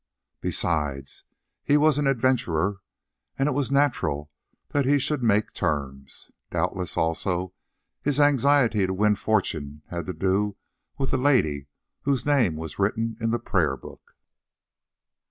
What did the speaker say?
Besides, he was an adventurer, and it was natural that he should make terms. Doubtless also his anxiety to win fortune had to do with the lady whose name was written in the prayer book.